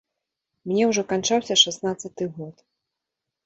Мне ўжо канчаўся шаснаццаты год.